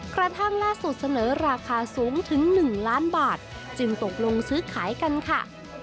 กระทั่งล่าสุดเสนอราคาสูงถึง๑ล้านบาทจึงตกลงซื้อขายกันค่ะ